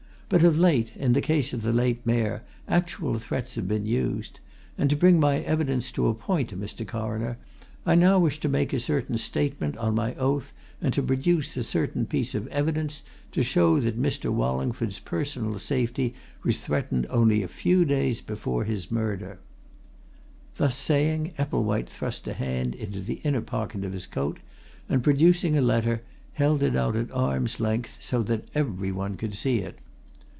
"But of late, in the case of the late Mayor, actual threats have been used. And to bring my evidence to a point, Mr. Coroner, I now wish to make a certain statement, on my oath, and to produce a certain piece of evidence, to show that Mr. Wallingford's personal safety was threatened only a few days before his murder!" Thus saying, Epplewhite thrust a hand into the inner pocket of his coat, and, producing a letter, held it out at arm's length, so that every one could see it.